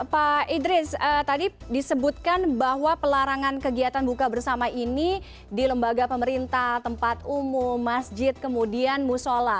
pak idris tadi disebutkan bahwa pelarangan kegiatan buka bersama ini di lembaga pemerintah tempat umum masjid kemudian musola